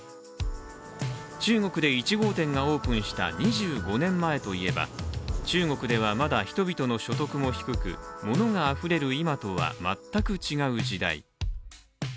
中国で１号店がオープンした２５年前といえば中国ではまだ人々の所得も低くものがあふれる今とは全く違う時代。